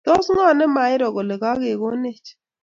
Tos ng'o ne mairo kole kagegonech?